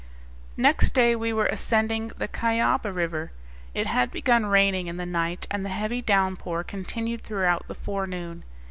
Next day we were ascending the Cuyaba River. It had begun raining in the night, and the heavy downpour continued throughout the forenoon.